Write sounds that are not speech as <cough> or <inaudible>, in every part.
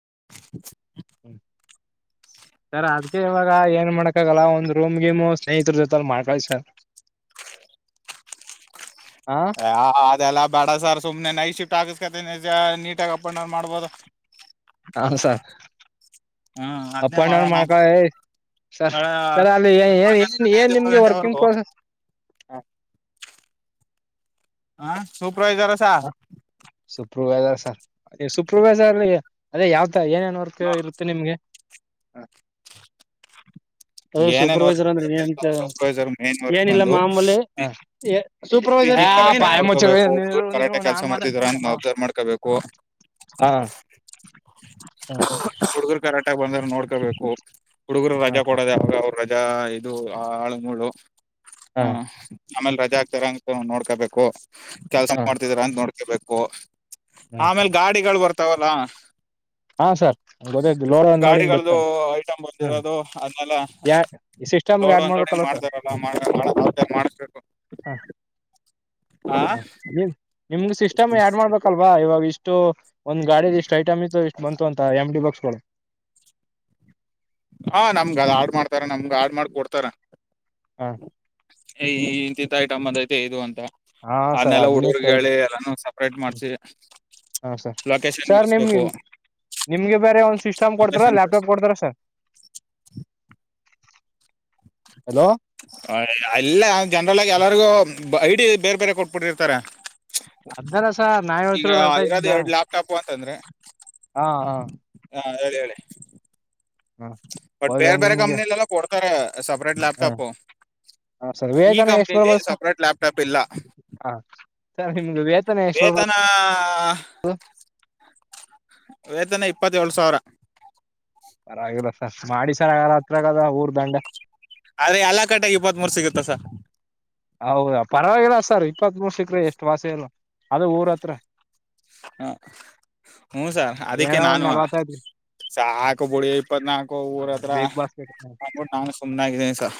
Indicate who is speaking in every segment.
Speaker 1: <inaudible>
Speaker 2: ಹ್ಮ ಸರ್ ಅದ್ಕೆ ಇವಾಗ ಏನ್ ಮಾಡ ಆಗಲ್ಲ ಒಂದ್ ರೂಮ್ ಗೇಮ್ ಸ್ನೇಹಿತರ ಜೊತೆ ಮಾಡ್ಕಳ ಸರ್. ಹಾ
Speaker 1: ಹ ಅದೆಲ್ಲಾ ಬಡಸಾರ್ ಸುಮ್ ಮ್ನೆ ನೈ ಶಿಫ್ಟ್ ಆಗಸ್ಕತೀನಿ ಸ ನೀಟಾಗ್ ಅಪ್ಪಂಡೌನ್ ಮಾಡ್ಬೋದು.
Speaker 2: ಹ ಸರ್
Speaker 1: ಹ್ಮ್
Speaker 2: ಅಪ್
Speaker 1: ಅದ್ನೇ
Speaker 2: ಅಂಡ್ ಡೌನ್
Speaker 1: ಮಾಡೋಣ ಅಂತ
Speaker 2: ಮಾಡ್ಕಳಿ. ಸ
Speaker 1: ಬೇಡ,
Speaker 2: ಸರ್ ಅಲ್ಲಿ ಏ ಏ
Speaker 1: ಹನ್ನೊಂದು
Speaker 2: ಏನ್
Speaker 1: ಗಂಟೆಯಿಂದ
Speaker 2: ಏನ್
Speaker 1: ಏಳು
Speaker 2: ನಿಮ್ಗೆ ವರ್ಕಿಂಗ್
Speaker 1: ಗಂಟೆವರೆಗೂ
Speaker 2: ಪ್ರೋಸೆಸ್. ಹಾ
Speaker 1: ಹಾ ಸೂಪ್ರರ್ವೈಸರ್ ಸ.
Speaker 2: ಸುಪ್ರವೈಸರ್ರ್ ಸ ಸೂಪ್ರವೈಸರ್ಲ್ಲಿ ಅದೇ ಯಾವತ ಏನೇನ್ ವರ್ಕ್ ಇರುತ್ತೆ ನಿಮ್ಗೆ. ಹ್ <inaudible> ಹೌದು
Speaker 1: ಏನೇನ್ ವರ್ಕ್
Speaker 2: ಸೂಪರ್ವೈಸರ್ ಅಂದ್ರೆ ನೀಏನಂತ
Speaker 1: ಸೂಪರ್ವೈಸರ್ ಮೇನ್ ವರ್ಕ್
Speaker 2: ಏನಿಲ್ಲ
Speaker 1: ಬಂದು
Speaker 2: ಮಾಮೂಲಿ ಎ ಸೂಪ್ರ್ ಹೇ
Speaker 1: ಸ್ಪೀಕಿಂಗ್ ಕರೆಕ್ಟ್ ಆಗಿ
Speaker 2: ಬಾಯ್ ಮುಚ್ಚಲೇ
Speaker 1: ನೋಡ್ಕೋಬೇಕು ಹುಡುಗರು
Speaker 2: ನೀವು
Speaker 1: ಕರೆಕ್ಟ್
Speaker 2: ನೀವು
Speaker 1: ಆಗಿ
Speaker 2: ನಾನ್
Speaker 1: ಕೆಲಸ ಮಾಡ್ತಿದಾರ
Speaker 2: ಮಾತಾಡ್ತ
Speaker 1: ಅಂತ ನಾವು ಅಬ್ಸರ್ವ್
Speaker 2: ಹ
Speaker 1: ಮಾಡ್ಕೋಬೇಕು
Speaker 2: <unintelligible> ಹಾ ಹಾ
Speaker 1: ಹುಡುಗರು ಕರಾಟ್ಟಗೆ ಬಂದ್ರು ನೋಡ್ಕೋಬೇಕು ಹುಡುಗರು
Speaker 2: ಹಾ
Speaker 1: ರಜಾ ಕೊಡೋದ್ಯಾವಗ ಅವ್ರು ರಜಾ ಇದು ಆ ಆಳು ಮೂಳು
Speaker 2: ಹಾ
Speaker 1: ಹ್ಮು ಆಮೇಲೆ ರಜೆ ಆಗ್ತಾರ ಅಂತ ನೋಡ್ಕೋಬೇಕು ಕೆಲ್ಸ
Speaker 2: ಹಾ
Speaker 1: ಮಾಡ್ತಿದರ ಅಂತ ನೋಡ್ ಬೇಕು ಆಮೇಲ್ ಗಾಡಿಗಳು ಬರ್ತಾವಲ್ಲ
Speaker 2: ಹಾ ಸರ್ ಗೊತ್ತಾಯ್ತು ಲೋರ ನೋಡಿ ಹಿಂಗ್
Speaker 1: ಗಾಡಿಗಳ್ದು
Speaker 2: ಬತ್ತಾನೆ
Speaker 1: ಐಟಮ್
Speaker 2: ಹ್ಮ್
Speaker 1: ಬಂದಿರೋದು ಬಾಲ್ಲ
Speaker 2: ಯಾ ಸಿಸ್ಟಮ್ಗೆ
Speaker 1: ಲೋಡ್
Speaker 2: ಆಡ್
Speaker 1: ಅನ್ಲೋಡಿಂಗ್
Speaker 2: ಮಾಡ್ಬೇಕಲ್ವ ಸರ್
Speaker 1: ಮಾಡ್ದಾರಲ್ಲ ಮಾಡ್ ಮಾಡಿದಂಗ್ ಮತ್ತೆ ಮಾಡಿಸಬೇಕು
Speaker 2: ಹ ಹ ನಿ ನಿಮ್ಗೆ ಸಿಸ್ಟಮ್ ಯಾಡ್ ಮಾಡ್ಬೇಕಲ್ವಾ ಇವಾಗ ಇಷ್ಟು ಒಂದ್ ಗಾಡಿದ್ ಇಷ್ಟು ಐಟಮ್ ಇತ್ತು ಇಷ್ಟು ಬಂತು ಅಂತ ಎಮ್ ಟಿ ಬಾಕ್ಸ್ಗಳು
Speaker 1: ಹಾ ನಮ್ಗ ಆಡ್ ಆಡ್ ಮಾಡ್ತಾರ ನಮ್ಗ್ ಆಡ್ ಮಾಡ ಕೊಡ್ತಾರೆ
Speaker 2: ಹಾ
Speaker 1: ಏ ಈ ಇಂತೀಂತ್ತ ಐಟಮ್ ಬಂದೈತೆ ಇದು ಅಂತ
Speaker 2: ಹಾ ಸರ್
Speaker 1: ಅದ್ನೆಲ್ಲ
Speaker 2: ಅದನ್ನೇ
Speaker 1: ಹುಡ್ಗೀರ್
Speaker 2: ಕೇಳಿದ್ದು
Speaker 1: ಹೇಳಿ ಎಲ್ಲಾನ ಸಪ್ರೇಟ್
Speaker 2: ಹ್ಮ್
Speaker 1: ಮಾಡ್ಸಿ
Speaker 2: ಹಾ ಸರ್
Speaker 1: ಲೊಕೇಶನ್
Speaker 2: ಸರ್ ನಿಮ್ಗ್
Speaker 1: ಇಡಿಸ್ಬೇಕು
Speaker 2: ನಿಮ್ಗೆ ಬೇರೆ ಒಂದ್ ಸಿಸ್ಟಮ್ ಕೊಡ್ತಾರ
Speaker 1: ಲೊಕೇಶನ್
Speaker 2: ಲ್ಯಾಪ್ಟಾಪ್ ಕೊಡ್ತಾರ ಸರ್ ಹಲೋ
Speaker 1: ಹ ಅಲ್ಲ ಜನರಲ್ಲಾಗೆ ಎಲ್ಲರಿಗು ಐಡಿ ಬೇರೆ ಬೇರೆ ಕೊಟ್ಬಿಟ್ಟಿರ್ತಾರೆ
Speaker 2: ಅದ್ನಲ್ಲ ಸರ್ ನಾ
Speaker 1: ಈಗ
Speaker 2: ಹೇಳ್ತಿರೋದು ಅರ್ಥ ಆಯ್ತಿದ್ದ
Speaker 1: ಇರೋದೆ ಎರ್ಡು ಲ್ಯಾಪ್ಟಾಪ್ ಅಂತಂದ್ರೆ
Speaker 2: ಹಾ ಹಾ
Speaker 1: ಹಾ ಹೇಳಿಹೇಳಿ
Speaker 2: ಹಾ
Speaker 1: ಬಟ್
Speaker 2: ಹೌದು
Speaker 1: ಬೇರೆ ಬೇರೆ
Speaker 2: ನಿಮ್ಗೆ
Speaker 1: ಕಂಪ್ನಿ ಎಲ್ಲ ಕೊಟ್ ಸಪರೇಟ್
Speaker 2: ಹ
Speaker 1: ಲಾಪ್ಟಾಪು
Speaker 2: ಹ ಸರ್ ವೇತನ ಎಷ್ಟು ಬರ್ಬೋದ ಸ
Speaker 1: ಲ್ಯಾಪ್ಟಾಪ್ ಇಲ್ಲ
Speaker 2: ಹ ಸರ್ ನಿಮ್ದು ವೇತ
Speaker 1: ವೇತನಾ ವೇತನ ಇಪ್ಪತ್ತೇಳು ಸಾವ್ರ
Speaker 2: ಪರಾವಾಗಿಲ್ಲ ಸ ಮಾಡಿ ಸರ್ ಹತ್ರಗದೆ ಊರ್ ದಂಡೆ
Speaker 1: ಆದ್ರೆ ಎಲ್ಲಾ ಕಟ್ಟಾಗಿ ಇಪ್ಪತ್ತ್ ಮೂರು ಸಿಗುತ್ತೆ ಸ
Speaker 2: ಹೌದಾ ಪರವಾಗಿಲ್ಲ ಸರ್ ಇಪ್ಪತ್ತ್ ಮೂರು ಸಿಕ್ಕ್ರು ಎಷ್ಟ್ ವಾಸಿಲ್ಲ ಅದು ಊರು ಹತ್ರ
Speaker 1: ಹ ಹ್ಮು ಸರ್ ಅದಿಕ್ಕೆ
Speaker 2: ಏನೋ ಒಂದ್
Speaker 1: ನಾನುವ
Speaker 2: ನಲ್ವತ್ತೈದು
Speaker 1: ಸಾಕು ಬುಡಿ ಇಪ್ಪತ್ನಾಲ್ಕ್ ಒ ಊರ್ ಹತ್ರ
Speaker 2: ಬಿಗ್ ಬಾಸ್ಕೆಟ್
Speaker 1: ಹಂದ್ಬಿಟ್ಟು ನಾನು ಸುಮ್ನೆಾಗಿದ್ದೀನಿ ಸ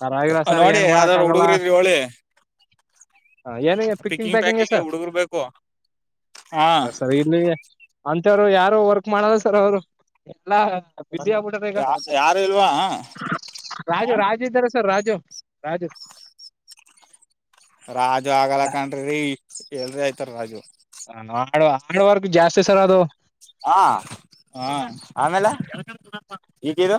Speaker 2: ಪರಾವಾಗಿಲ್ಲ ಸರ್
Speaker 1: ನೋಡಿ
Speaker 2: ಏನ್ ಮಾಡಕ್
Speaker 1: ಯಾವ್ದಾದ್ರು
Speaker 2: ಆಗಲ್ಲ
Speaker 1: ಹುಡುಗ್ರು ಇದ್ರಿ ಹೇಳಿ
Speaker 2: ಹ ಏನಯತ್ ಪಿಕ್ಕಿಂಗ್ ಪ್ಯಾಕಿಂಗ್ ಸರ್
Speaker 1: ಹಾ
Speaker 2: ಬರ್ ಸರ ಇಲ್ಲಿವೆ ಅಂತವ್ರು ಯಾರು ವರ್ಕ್ ಮಾಡಲ್ಲ ಸರ್ ಅವ್ರು ಎಲ್ಲಾ ಬಿಝಿ ಆಬುಟದೀಗ
Speaker 1: ಯಾ- ಯಾರು ಇಲ್ವಾ ಹಾ?
Speaker 2: ರಾಜು ರಾಜು ಇದ್ದಾರೆ ಸರ್ ರಾಜು ರಾಜು
Speaker 1: ರಾಜು ಆಗಲಕನ್ನ್ರಿ ರೀ ಎಲ್ರಿ ಆಯ್ತಾರ್ ರಾಜು
Speaker 2: ಹ ಆ ಆಡವರ್ಕು ಜಾಸ್ತಿ ಸರ್ ಅದು
Speaker 1: ಹಾ ಹ ಆಮೇಲೆ ಈಕಿದು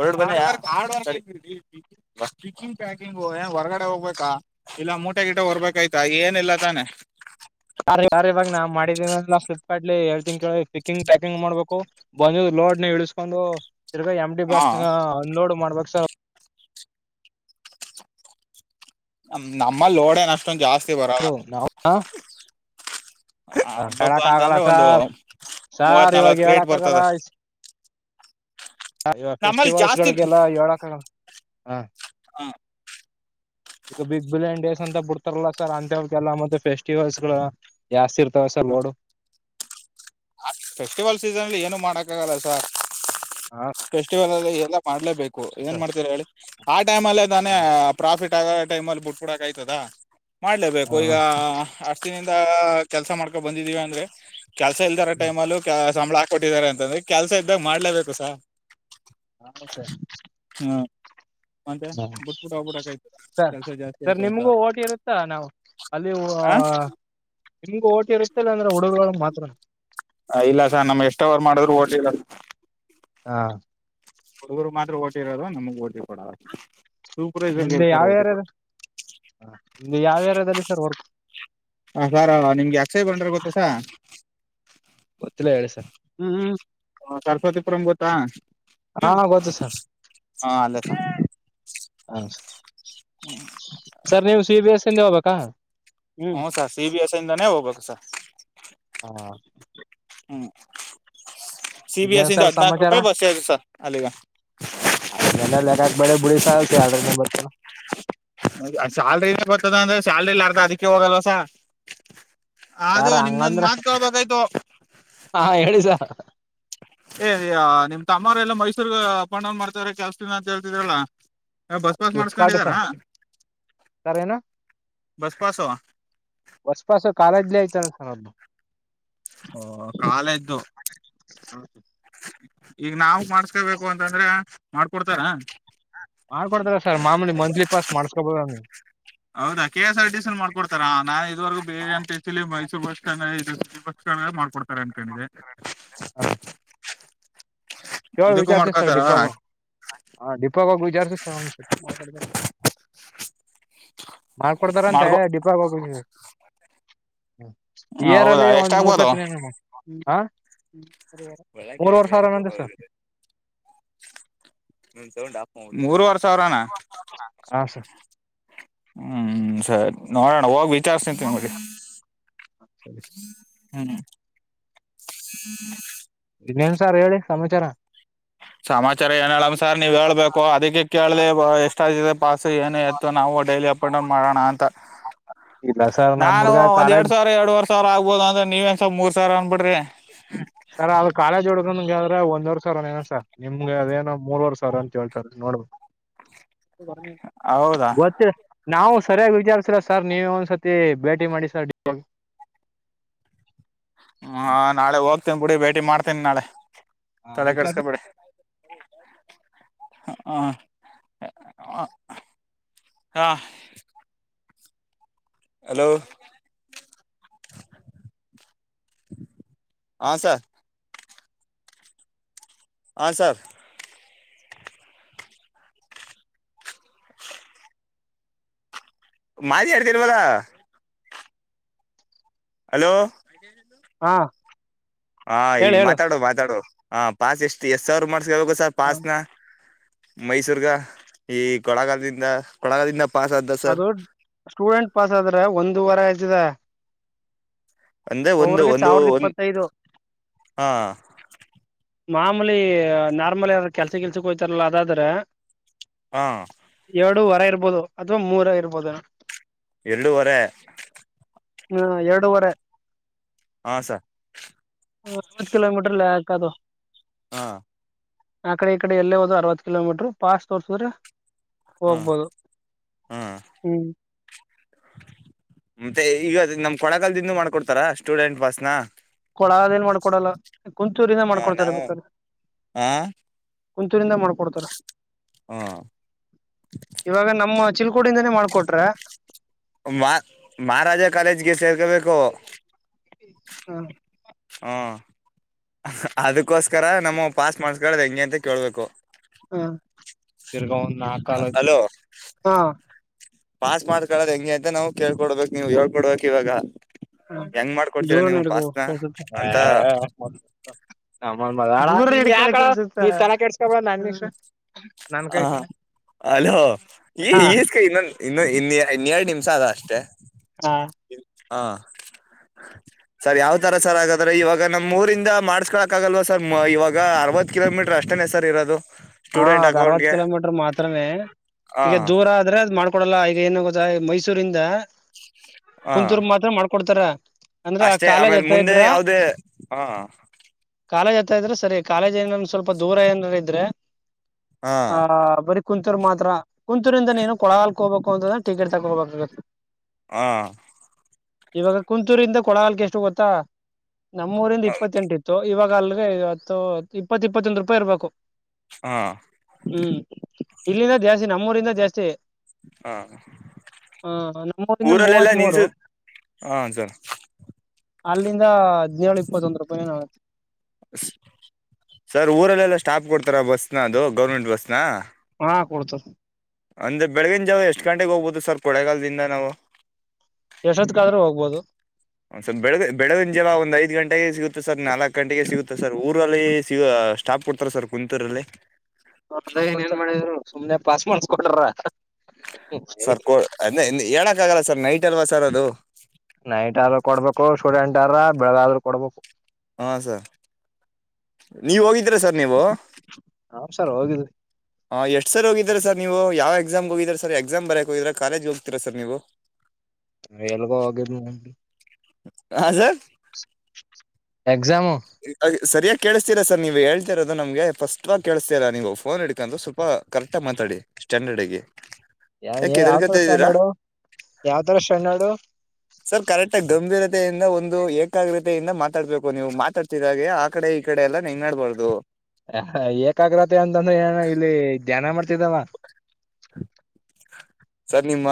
Speaker 1: ಹೊಡ್ ಬಂದ್ವ ಹಾರ್ಡ್ ವರ್ಕು <unintelligible> ಚಿಕ್ಕಿಂಗ್ ಪ್ಯಾಕಿಂಗ್ ಹೋಗಯ್ಯ ಹೊರ್ಗಡೆ ಹೋಗ್ಬೇಕಾ ಇಲ್ಲ ಮೂಟೆ ಗಿಟ ಹೊರ್ಬೇಕಾಯ್ತಾ ಏನೀಲ್ಲ ತಾನೆ
Speaker 2: <inaudible> ಅ ಇವಾಗ ನಾನ್ ಮಾಡಿದೇನ ಫ್ಲಿಪ್ಕಾರ್ಟ್ ಹೇಳ್ ತಿಿ ಕೇಳಿ ಪಿಕ್ಕಿಂಗ್ ಪ್ಯಾಕಿಂಗ್ ಮಾಡ್ಬೇಕು ಬಂದು ಲೋಡ್ನು ಇಳಿಸ್ಕೊಂಡು ತಿರ್ಗಾ ಎಮ್ಟಿ
Speaker 1: ಹಾ
Speaker 2: ಬಾಕ್ಸ್ ನ ಅನ್ಲೋಡ್ ಮಾಡ್ಬೇಕ್ ಸ
Speaker 1: ನಮ್ಮಲ್ಲಿ ಲೋಡ ಏನ್ ಅಷ್ಟೊಂದು ಜಾಸ್ತಿ ಬರಲ್ಲ
Speaker 2: <unintelligible> <inaudible>
Speaker 1: ಹಬ್ಬಬ್ಬ
Speaker 2: ಹೇಳಕ್ ಆಗಲ್ಲ
Speaker 1: ಅಂತಂದ್ರೆ ಒಂದು
Speaker 2: ಸಾರ್
Speaker 1: ಮೂವತ್
Speaker 2: ಸಾರ್ ಇವಾಗ
Speaker 1: ನಲ್ವತ್ ಕ್ರೇಟ್
Speaker 2: ಹೇಳಾಕ್
Speaker 1: ಬರ್ತದ
Speaker 2: ಆಗಲ್ಲ ಹ
Speaker 1: ಅಷ್ಟೇ ನಮ್ಮಲ್ಲಿ ಜಾಸ್ತಿ
Speaker 2: ಫೆಸ್ಟಿವಲ್ಸ್ಗಳಿಗೆಲ್ಲ ಹೇಳಕ ಆಗಲ್ಲ ಹ
Speaker 1: ಹಾ
Speaker 2: ಈಗ ಬಿಗ್ ಬ್ರಾಂಡ್ ಡೇಸ್ ಅಂತ ಕೋಡ್ತಾರಲ ಸರ್ ಅಂತವಕಲ್ಲ ಮತ್ತೆ ಫೆಸ್ಟಿವಲ್ಸ್ ಗಳು ಜಾಸ್ತಿ ಇರ್ತಾವ ಸರ್ ನೋಡು
Speaker 1: ಫೆಸ್ಟಿವಲ್ಸ್ ಇದ್ದಾಗ ಏನು ಮಾಡಕಗಲ್ಲ ಸರ್
Speaker 2: ಹಾ
Speaker 1: ಫೆಸ್ಟಿವಲ್ ಅ ಎ ಎಲ್ಲ ಮಾಡ್ಲೇಬೇಕು ಏನ್
Speaker 2: ಸರ್
Speaker 1: ಮಾಡ್ತೀರ ಹೇಳಿ ಆ ಟೈಮ್ ಅಲ್ಲೇ ತಾನೇ ಪ್ರಾಫಿಟ್ ಆ ಟೈಮ ಅಲ್ಲಿ ಬುಟ್ಬ ಬಿಡಕ ಆಯ್ತದ ಮಾಡ್ಲೇಬೇಕು ಈಗ
Speaker 2: ಹಾ
Speaker 1: ಅಷ್ಟಿನಿಂದ ಕೆಲಸ ಮಾಡ್ಕೊಂಡ ಬಂದಿದೀವಿ ಅಂದ್ರೆ ಕೆಲ್ಸ ಇಲ್ದಾರ ಟೈಮ ಅಲ್ಲೂ ಕೆ ಸಂಬಳ ಹಾಕ್ಕೊಟ್ಟಿದ್ದಾರೆ ಅಂತಂದ್ರೆ ಕೆಲ್ಸ ಇದ್ದ ಮಾಡ್ಲೇಬೇಕು ಸರ್
Speaker 2: ಹ ಸರ್
Speaker 1: ಹಾ ಮತ್ತೆ ಬಿಟ್ಬಿಟ್ಟ ಹೋಗ್ಬಿಟ್ಟಕಯ್ತು
Speaker 2: ಸರ್
Speaker 1: ಕೆಲ್ಸ ಜಾಸ್ತಿ
Speaker 2: ಸರ್
Speaker 1: ಆಯ್ತು ಅಂತ.
Speaker 2: ನಿಮ್ಗೂ ಓಟಿ ಇರುತ್ತಾ ನಾವು ಅಲ್ಲಿ
Speaker 1: ಹಾ
Speaker 2: ಒ--ನಿಮಗ ಓಟಿ ಇರುತ್ತೆಲ್ಲ ಅಂದ್ರೆ ಹುಡುಗರುಗಳ ಮಾತ್ರ
Speaker 1: ಹ ಇಲ್ಲ ಸಾರ್ ನಮ್ ಎಷ್ಟ ಅವರ್ ಮಾಡಿದ್ರು ಓಟಿ ಇರಲ
Speaker 2: ಹಾ
Speaker 1: ಹುಡುಗರು ಮಾತ್ರ ಓಟಿರೋದು ನಮಗ್ ಓಟಿ ಕೊಡಲ
Speaker 2: ನಿಮ್ದ ಯಾವ್ಯಾರ ನಿಮ್ದ ಯಾವ್ಯಾರ್ಯಾದಲ್ಲಿ ಸರ್ ಹೊಟ
Speaker 1: ಹ ಸಾರ್ ನಿಮ್ಗೆ ಅಕ್ಷಯ ಬಂಡ್ರ ಗೊತ್ತಸಾರ್
Speaker 2: ಗೊತ್ತಿಲ್ಲ ಹೇಳಿ ಸರ್ ಹ್ಮ
Speaker 1: ಹ ಸರಸ್ವತಿಪುರಂ ಗೊತ್ತಾ
Speaker 2: ಹಾ ಗೊತ್ತು ಸರ್
Speaker 1: ಹಾ ಅಲ್ಲೇ ಸರ್
Speaker 2: ಹ ಸರ್ ನೀವು ಸಿ ಬಿ ಎಸ್ಂದ ಹೋಗ್ಬೇಕಾ ಹ್ಮ್
Speaker 1: ಹ್ಮ ಸರ್ ಸಿ ಬಿ ಎಸ್ ಇಂದಾನೇ ಹೋಗ್ಬೇಕು ಸರ್
Speaker 2: ಹಾ
Speaker 1: ಹ್ಮ್. ಸಿ ಬಿ ಎಸ್
Speaker 2: ಇನ್ನೇನ್
Speaker 1: ಇಂದ
Speaker 2: ಸರ್
Speaker 1: ಹದ್ನಾಕು ರೂಪಾಯಿ ಬಸ್ದೆ ಸರ್ ಅಲ್ಲಿಗ
Speaker 2: ಅದ ನೆ ಲೆಕ್ಕಾಕ್ ಬಳೆ ಬಿಡಿ ಸ್ಯಾಲರಿ ನೆ ಬರ್ತೇ
Speaker 1: ಸ್ಯಾಲರಿ ಬರತದ ಅಂದ್ರೆ ಸ್ಯಾಲರಿಲಿ ಅರ್ಧ ಅದಕ್ಕೆ ಹೋಗಲ್ವ ಸರ್ ಅದು
Speaker 2: ಸರ್
Speaker 1: ನಿಮ್ದೊಂದ್
Speaker 2: ಹಂಗಂದ್ರ
Speaker 1: ಮಾತಕೆಳ್ಬೇಕಾಯ್ತು.
Speaker 2: ಹಾ ಹೇಳಿ ಸರ್
Speaker 1: ಏ ನಿಮ್ ತಮ್ಮಾರ ಎಲ್ಲ ಮೈಸೂರ್ಗ ಅಪ್ ಡೌನ್ ಮಾಡ್ತತಿದ್ದರೆ ಕೆಲ್ಸ ದಿನ ಅಂತ ಹೇಳ್ತಿದ್ರಲ್ಲ ಹ ಬಸ್ ಬಾಸ್
Speaker 2: ಫ್ಲಿಪ್ಕಾರ್ಟ್
Speaker 1: ಮಾಡ್ಸ್ಕೊಂಡಿದಾರ
Speaker 2: ಸರ್ ಸರ್ ನು ಬಸ್ ಪಾಸ ಕಾಲೇಜ್ಲಿ ಆಯ್ತಾರೆ ಸರ್ದ
Speaker 1: ಓ ಕಾಲೇಜು ದು ಈಗ ನಾವು ಮಾಡಸ್ಕೊಬೇಕು ಅಂತಂದ್ರ ಮಾಡ್ಕೊಡ್ತಾರ
Speaker 2: ಮಾಡ್ಕೊಡ್ತಾರ ಸರ್ ಮಾಮೂಲಿ ಮಂತ್ಲಿ ಪಾಸ್ ಮಾಡ್ಸ್ಕೊಬೋದ ನೀ
Speaker 1: ಹೌದಾ K S R T C ಮಾಡ್ಕೊತಾ ನಾನ್ ಇದವರೆಗ ಬೇರೆ ಎಂತ Mysore bus stand bus stand ಲಿ ಮಾಡ್ಕೊಡ್ತಾರೆ ಅನ್ಕೊಂಡಿದೆ
Speaker 2: ಹಾ ಕೆವಳ
Speaker 1: ಇದಕ್ಕೂ
Speaker 2: ವಿಚಾರತ ಸರ್
Speaker 1: ಮಾಡ್ಕೊತಾರ
Speaker 2: ಡಿಪ್ಲೋಮ ಹಾ ಡಿಪ್ಲೋಮ ಗುಜಾರ ಸ ಮಾಡಿಕೊಡ್ತಾರಾ ಅಂತ
Speaker 1: ಮಾಡ್ಕೊ
Speaker 2: ಡಿಪೋ ಹೋಗ್ಬೇಕ್ ಇಯರ್
Speaker 1: ಹೌದಾ
Speaker 2: ಅಲ್ಲಿ ಒಂದ್ ಮೂರ್
Speaker 1: ಎಷ್ಟಾಗ್ಬೋದು
Speaker 2: ಸತ್ ಹ ಮೂರುವರೆ ಸಾವಿರದಂತೆ ಸಾ
Speaker 1: <inaudible> ಮೂರು ವರ್ಷ
Speaker 2: <inaudible> ಹಾ ಸರ್
Speaker 1: ಹ್ಮ್ ಸರಿ ನೋಡೋಣ ಹೋಗಿ ವಿಚಾರಿಸಕೊಂತಿನಿ
Speaker 2: ಸರಿ
Speaker 1: ಹ್ಮ್ <unintelligible>
Speaker 2: ಇನ್ನೇನ್ ಸಾರ್ ಹೇಳಿ ಸಮಾಚಾರ
Speaker 1: ಸಮಾಚಾರ ಏನ ಹೇಳೋಣ ಸರ್ ನೀವು ಹೇಳ್ಬೇಕು ಅದಕ್ಕೆ ಕೇಳ್ದ ಎಷ್ಟ ಪಾಸ ಏನೇ ಇತ್ತು ನಾವು ಡೈಲಿ ಅಪ್ ಆಂಡ್ ಡೌನ್ ಮಾಡೋಣ ಅಂತ
Speaker 2: ಇಲ್ಲ ಸರ್ ನಮ್
Speaker 1: ನಾನು
Speaker 2: ಹುಡ್ಗ
Speaker 1: ಒಂದ್
Speaker 2: ಕಾಲೇಜ್
Speaker 1: ಎರಡ್ ಸಾವಿರ ಎರಡ್ವವರ್ ಸಾವಿರ ಆಗ್ಬೋದು ಅಂದ್ರೆ ನೀವನ್ಸ ಮೂರ್ ಸಾವಿರ ಅನ್ಬಿಡ್ರಿ
Speaker 2: ಸರ ಅದ ಕಾಲೇಜ್ ಹುಡ್ಕಂಗಗೆದ್ರೆ ಒಂದ್ ವರ್ಷ ಸರ್ ಏನಸ ನಿಮ್ಗೆ ಅದೇನೋ ಮೂರ್ವರ್ ಸಾವ ಅಂತ ಹೇಳ್ತಾರೆ ನೋಡ್
Speaker 1: ಹೌದಾ
Speaker 2: <unintelligible> ನಾವು ಸರಿಯಾಗಿ ವಿಚಾರಸಿಲ್ಲ ಸರ್ ನೀವೇ ಒಂದ್ಸತಿ ಭೇಟಿ ಮಾಡಿ ಸರ್ <inaudible>
Speaker 1: ಹ್ಮ ನಾಳೆ ಹೋಗ್ತೇನ್ ಬಿಡಿ ಭೇಟಿ ಮಾಡ್ತೇನಿ ನಾಳೆ <inaudible> ತಲೆ
Speaker 2: ವಿಚಾರ
Speaker 1: ಕೆಡಸ್ಕೊಬಿಡಿ ಹಾ ಹಾ ಹಲೋ ಹಾ ಸರ್ ಹಾ ಸರ್ <inaudible> ಮಾತಾಡ್ತಿಲ್ವಲ್ಲ ಹಲೋ
Speaker 2: ಹಾ
Speaker 1: ಹಾ ಈ
Speaker 2: ಹೇಳು ಹೇಳು
Speaker 1: ಮಾತಾಡು ಮಾತಾಡು ಪಾಸ್ ಎಷ್ಟು ಎಷ್ಟ ಸಾವ್ರ ಮಾಡ್ಸ್ಕೊಳ್ಬೇಕು ಸರ್ ಪಾಸ್ನ ಮೈಸೂರ್ಗ ಈ ಕೊಳಗಾಲದಿಂದ ಕೊಳಗಾಲದಿಂದ ಪಾಸ್ ಆದ ಸರ್
Speaker 2: ಅದು ಸ್ಟೂಡೆಂಟ್ ಪಾಸ್ ಆದ್ರೆ ಒಂದು ವಾರ ಆಯತಿದೆ
Speaker 1: ಅಂದ್ರೆ ಒಂದು ಒಂದು
Speaker 2: ಸಾವಿರದ
Speaker 1: ಒಂದು
Speaker 2: ಇಪ್ಪತ್ತೈದು
Speaker 1: <inaudible> ಹಾ
Speaker 2: ಮಾಮೂಲಿ ನಾರ್ಮಲ್ ಯಾರ ಕೆಲ್ಸ ಕೆಲ್ಸಕ್ ಹೋಯ್ತಾರಲ್ಲ ಅದಾದ್ರೆ
Speaker 1: ಹಾ
Speaker 2: ಎರಡು ವರೆ ಇರ್ಬೋದು ಅಥ್ವಾ ಮೂರ ಇರ್ಬೋದು
Speaker 1: ಎರಡೂವರೆ
Speaker 2: ಹಾ ಎರಡೂವರೆ
Speaker 1: ಹಾ ಸರ್
Speaker 2: ಅರವತ್ ಕಿಲೋಮೀಟರ್ಲ್ಲಿ ಹಾಕದು
Speaker 1: ಹಾ
Speaker 2: ಆ ಕಡೆ ಈ ಕಡೆ ಎಲ್ಲೇ ಹೋದರು ಅರ್ವತ್ ಕಿಲೋಮೀಟ್ರ ಪಾಸ್ ತೋರ್ಸುದ್ರೆ
Speaker 1: ಹಾ
Speaker 2: ಹೋಗ್ಬೋದು <inaudible>
Speaker 1: ಹಾ
Speaker 2: ಹ್ಮ್
Speaker 1: ಮತ್ತೆ ಈಗ ನಮ್ಮ್ ಕೊಳ್ಳೇಗಾಲದಿಂದ ಮಾಡ್ಕೊಡ್ತಾರ ಸ್ಟೂಡೆಂಟ್ ಪಾಸ್ನ
Speaker 2: ಕೊಳ್ಳೇಗಾಲದಿಂದ ಮಾಡ್ಕೊಡಲ್ಲ ಕುಂತೂರಿಂದ
Speaker 1: ಹ
Speaker 2: ಮಾಡ್ಕೊಡ್ತಾರೆ
Speaker 1: ನಾವು
Speaker 2: ಬೇಕಾರೆ
Speaker 1: ಹ
Speaker 2: ಕುಂತೂರಿಂದ ಮಾಡ್ಕೊಡ್ತಾರ
Speaker 1: ಹ
Speaker 2: <inaudible> ಇವಾಗ ನಮ್ಮ ಚಿಲ್ಕೋಡಿಂದನೇ ಮಾಡ್ಕೊಟ್ರೇ
Speaker 1: ಮಹಾರಾಜ ಕಾಲೇಜ್ಗೆ ಸೇರ್ಕೋಬೇಕು
Speaker 2: ಹಾ
Speaker 1: ಹೂ <inaudible> ಅದಕೋಸ್ಕರ ನಮ್ಮ ಪಾಸ್ ಮಾಡಸ್ಕೊಳ್ಳದು ಹೆಂಗೆ ಅಂತ ಕೇಳ್ಬೇಕು
Speaker 2: ಹಾ
Speaker 1: ಅಲೋ
Speaker 2: <unintelligible> ಹಾ
Speaker 1: ಪಾಸ್ ಮಾಡ್ಕೊಳೋ ಹೆಂಗೆ ಅಂತ ನಾವು ಕೇಳ್ಕೊಡ್ಬೇಕು ನೀವು ಹೇಳ್ಕೊಡ್ಬೇಕ್ ಇವಾಗ
Speaker 2: <unintelligible> <unintelligible>
Speaker 1: ಹೆಂಗ್ ಮಾಡ್ಕೊಡ್ತೀರಾ ನೀವು
Speaker 2: ನಿನ್
Speaker 1: ಪಾಸ್ನ ಅಂತ
Speaker 2: ತಲೆ ಕೆಡಿಸ್ಕೊಬೇಡ ನನ್ ಇಷ್ಟ
Speaker 1: ಹಾ ಹಲೋ ಇಸ್ಕೊ
Speaker 2: ಹಾ
Speaker 1: ಇಸ್ಕೊ ಇನ್ನೊ ಇನ್ನೊ ಇನ್ಯ ನಿಮಿಷ <unintelligible> ಅಷ್ಟೇ
Speaker 2: ಹಾ
Speaker 1: ಹಾ
Speaker 2: <inaudible>
Speaker 1: ಸರ್ ಯಾವ್ ತರ ಸರ್ ಹಾಗಾದ್ರೆ ಇವಾಗ ನಮ್ಮ್ ಊರಿಂದ ಮಾಡ್ಸ್ಕೊಕ್ ಆಗಲ್ವ ಸರ್ ಇವಾಗ ಅರವತ್ ಕಿಲೋಮೀಟರ್ ಅಷ್ಟೇ ಸರ್ ಇರೋದು
Speaker 2: ಹಾ
Speaker 1: ಸ್ಟೂಡೆಂಟ್
Speaker 2: ಅದ್ ಅರವತ್ತು
Speaker 1: ಅಕೌಂಟ್ಗೆ
Speaker 2: ಕಿಲೋಮೀಟರ್ ಮಾತ್ರಮೇ
Speaker 1: ಹ
Speaker 2: ಈಗ ದೂರ ಆದ್ರೆ ಅ್ ಮಾಡ್ಕೊಡಲ್ಲ ಈಗ ಏನು ಗೊತ್ತ ಮೈಸೂರಿಂದ
Speaker 1: ಹ
Speaker 2: ಕುಂತೂರು ಮಾತ್ರ ಮಾಡ್ಕೊಡ್ತಾರ ಅಂದ್ರ
Speaker 1: ಅಷ್ಟೇ
Speaker 2: ಕಾಲೇಜ್
Speaker 1: ಆಮೇಲೆ
Speaker 2: ಹತ್ತ
Speaker 1: ಮುಂದೆ
Speaker 2: ಇದ್ರ
Speaker 1: ಯಾವ್ದೇ ಹ
Speaker 2: ಕಾಲೇಜ್ ಹತ್ತ ಇದ್ರೆ ಸರಿ ಕಾಲೇಜ್ ಏನ ಸ್ವಲ್ಪ ದೂರ ಏನಾರ ಇದ್ರೆ
Speaker 1: ಹ
Speaker 2: ಆ ಬರಿ ಕುಂತೂರ್ ಮಾತ್ರ ಕುಂತೂರಿಂದ ನೀನು ಕೊಳ್ಳೆಗಾಲಕ್ಕೆ ಹೋಗಬೇಕು ಅಂತ್ರೆ ಟಿಕೆಟ್ ತಗೋಬೇಕೆ
Speaker 1: ಹ್ಮ
Speaker 2: ಇವಾಗ ಕುಂತೂರಿಂದ ಕೊಳಗಲ್ಕ್ಕೆ ಎಷ್ಟು ಗೊತ್ತಾ ನಮ್ಮೂರಿಂದ ಇಪ್ಪತ್ತೆಂಟಿತ್ತು ಇವಾಗ ಅಲ್ಗೆ ಇಪ್ಪತ್ತ ಇಪ್ಪತ್ತೊಂದು ರೂಪಾಯಿ ಇರ್ಬೇಕು
Speaker 1: ಹಾ
Speaker 2: ಹ್ಮ್ ಇಲ್ಲಿಂದ ಜಾಸ್ತಿ ನಮ್ಮೂರಿಂದ ಜಾಸ್ತಿ
Speaker 1: ಹಾ
Speaker 2: ಹ ನಮ್ಮೂರಿಂದ
Speaker 1: ಊರಲ್ಲೆಲ್ಲಾ
Speaker 2: ಮೂವತ್ ಮೂರು
Speaker 1: ನಿನ್ಸು ಹಾ ಸರ್
Speaker 2: ಅಲ್ಲಿಂದ ಹದ್ಿನೇಳು ಇಪ್ಪತ್ತೊಂದ್ ರೂಪಾಯಿನತಿ
Speaker 1: ಸರ್ ಊರಲ್ಲೆಲ್ಲ ಸ್ಟಾಪ್ ಕೊಡ್ತಾರ ಬಸ್ನ ಅದು ಗೌರ್ಮೆಂಟ್ ಬಸ್ನ
Speaker 2: ಹಾ ಕೊಡ್ತರೇ
Speaker 1: ಅಂದ್ರ ಬೆಳಗಿನ ಜಾವ ಎಷ್ಟು ಗಂಟೆಗೆ ಹೋಗ್ಬಹುದು ಸರ್ ಕೊಳೆಗಾಲದಿಂದ ನಾವು
Speaker 2: ಎಷ್ಟೊತ್ಕಾದ್ರೂ ಹೋಗ್ಬೋದು
Speaker 1: ಬೆಳಗಿನ ಜಲ ಒಂದ್ ಐದ್ ಗಂಟೆ ನಾಲ್ಕು ಗಂಟೆಗೆ ಸಿಗುತ್ತೆ ಸರ್ ಊರಲ್ಲಿ ಸಿ ಸ್ಟಾಪ್ ಕೊಡ್ತಾರ ಸರ್ ಕುಂತೂರಲ್ಲಿ
Speaker 2: ಏನ ನ್ ಮಾಡಿದ್ರು ಸುಮ್ನೆ ಪಾಸ್ ಮಾಡಸ್ಕೊಂಡ್ರ್ರ
Speaker 1: ಸರ್ ಅ ಹೇಳಕ್ ಆಗಲ್ಲ ಸರ್ ನೈಟ್ ಅಲ್ವಾ ಸರ್ ಅದು
Speaker 2: ನೈಟ್ ಆದ್ರೂ ಕೊಡ್ಬೇಕು ಸ್ಟೂಡೆಂಟ್ ಆದ್ರ ಬೆಳಗೆದ್ರೂ ಕೊಡ್ಬೇಕು
Speaker 1: ಹಾ ಸ ನೀವ ಹೋಗಿದ್ದ ಸರ್ ನೀವು
Speaker 2: ಹ ಸರ್ ಹೋಗಿದ್ವಿ
Speaker 1: ಎಷ್ಟ ಸರ್ ಹೋಗಿದೀಾ ಸರ್ ನೀವು ಯಾವ ಎಕ್ಸಾಮ್ಗೆೋಗಿದರ ಸರ್ ಎಕ್ಸಾಮ್ ಬರಕ ಹೋಗಿದರ ಕಾಲಜ ಹೋಗಿದ್ರಾ ಸರ್ ನೀವು
Speaker 2: ಎಲ್ಗೋ ಹೋಗಿದ್
Speaker 1: ಹಾ ಸರ್
Speaker 2: ಎ ಜಮು
Speaker 1: ಸರಿಯಾಗಿ ಕೇಳಿಸತೀರಾ ಸರ್ ನೀವು ಹೇಳ್ತಿರೋದು ನಮಗೆ ಫಸ್ಟ್ವಾಗಿ ಕೇಳಸ್ತಾ ಇಲ್ಲ ಫೋನ್ ಹಿಡ್ಕೊಂಡು ಸ್ವಲ್ಪ ಕರೆಕ್ಟ್ ಮಾತ ಸ್ಟ್ಯಾಂಡರ್ಡ್ ಹಾಗಿ
Speaker 2: ಯ ಯಾವ್ ತರ್ ಸ್ಟ್ಯಾಂಡರ್ಡ್ ಯಾವ್ ತರ ಸ್ಟ್ಯಾಂಡರ್ಡ್
Speaker 1: ಸರ್ ಕರೆಕ್ಟ್ ಆಗ್ು ಗಂಭೀರತೆಯಿಂದ ಒಂದು ಏಕಾಗ್ರತೆಯಿಂದ ಮಾತಾಡಬೇಕು ನೀವು ಮಾತಾಡ್ತಿದ ಹಾಗೆ ಆ ಕಡೆ ಈ ಕಡೆ ಎಲ್ಲ ನೆಗ್ನಾಡ್ಬಾರ್ದು
Speaker 2: ಏಕಾಗ್ರತೆ ಅಂತಂದ್ರೆ ಏನ ಇಲ್ಲಿ ಧ್ಯಾನ ಮಾಡ್ತಿದವ
Speaker 1: ಸರ್ ನಿಮ್ಮ